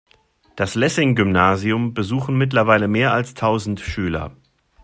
Das Lessing-Gymnasium besuchen mittlerweile mehr als tausend Schüler.